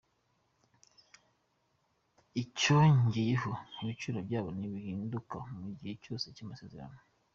Icyongeyeho, ibiciro byabo ntibihinduka mu gihe cyose cy’amasezerano.